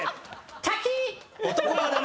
滝！